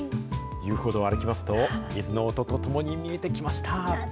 遊歩道を歩きますと、水の音とともに見えてきました。